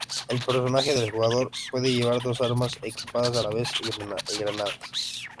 El personaje del jugador puede llevar dos armas equipadas a la vez y granadas.